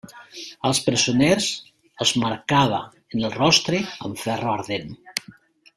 Als presoners els marcava en el rostre amb ferro ardent.